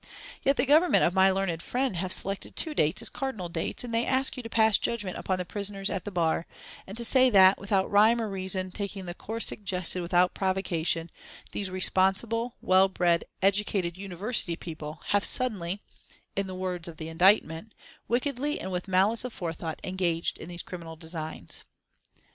Yet the Government of my learned friend have selected two dates as cardinal dates, and they ask you to pass judgment upon the prisoners at the bar, and to say that, without rhyme or reason, taking the course suggested without provocation, these responsible, well bred, educated, University people, have suddenly, in the words of the indictment, wickedly and with malice aforethought engaged in these criminal designs.